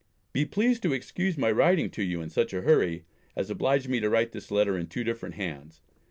Be pleased to excuse my writing to you in such a hurry, as obliged me to write this letter in two different hands.